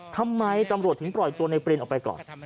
ทำไมตำรวจถึงปล่อยตัวในปรินออกไปก่อน